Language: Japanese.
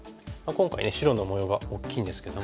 今回ね白の模様が大きいんですけども。